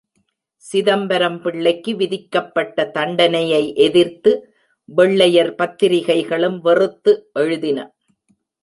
சிதம்பரம் பிள்ளைக்கு விதிக்கப்பட்ட தண்டனையை எதிர்த்து வெள்ளையர் பத்திரிகைகளும் வெறுத்து எழுதின.